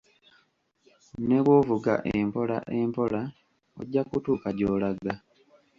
Ne bwovuga empola empola ojja kutuuka gy'olaga.